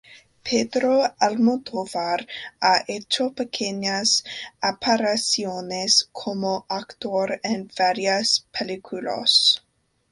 Pedro Almodóvar ha hecho pequeñas apariciones como actor en varias películas.